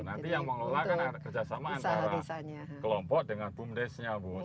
nanti yang mengelolakan kerjasama antara kelompok dengan bumdesnya bu